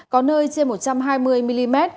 có nơi trên một trăm hai mươi mm